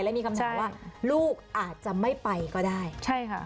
และมีคำถามว่าลูกอาจจะไม่ไปก็ได้ใช่ค่ะ